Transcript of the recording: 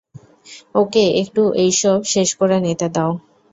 ওকে একটু এইসব শেষ করে নিতে দাও।